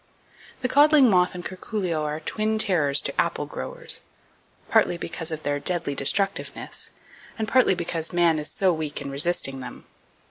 —The codling moth and curculio are twin terrors to apple growers, partly because of their [Page 214] deadly destructiveness, and partly because man is so weak in resisting them.